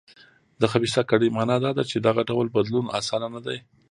د خبیثه کړۍ معنا دا ده چې دغه ډول بدلون اسانه نه دی.